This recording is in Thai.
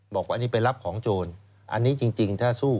บอกว่าอันนี้ไปรับของโจรอันนี้จริงถ้าสู้